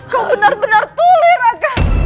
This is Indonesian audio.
kau benar benar tulir raga